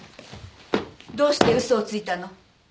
どうして嘘をついたの？